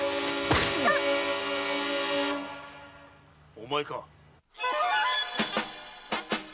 お前か。